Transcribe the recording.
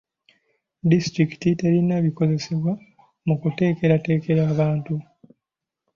Disitulikiti terina bikozesebwa mu kuteekerateekera abantu.